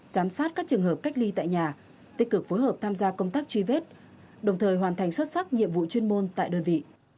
giám sát các trường hợp cách ly tại nhà tích cực phối hợp tham gia công tác truy vết đồng thời hoàn thành xuất sắc nhiệm vụ chuyên môn tại đơn vị